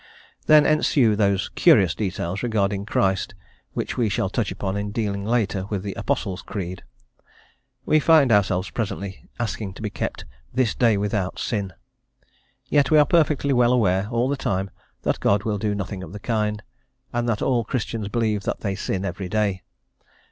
Then ensue those curious details regarding Christ which we shall touch upon in dealing later with the Apostles' Creed. We find ourselves, presently, asking to be kept "this day without sin;" yet, we are perfectly well aware, all the time, that God will do nothing of the kind, and that all Christians believe that they sin every day.